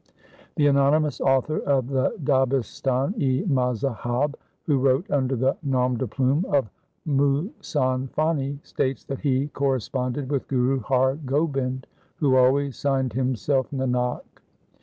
The anonymous author of the Dabistan i Mazahab, who wrote under the 110m de plume of Muhsan Fani, states that he corresponded with Guru Har Gobind, who always signed himself Nanak.